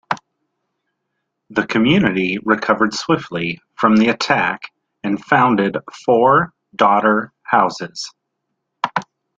The community recovered swiftly from the attack and founded four daughter houses.